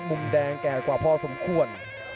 มุมแดงแก่กว่าพอสมควร